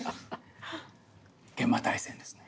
「幻魔大戦」ですね。